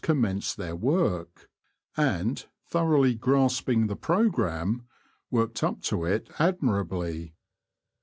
commenced their work, and, thoroughly grasping the programme, worked up to it admirably.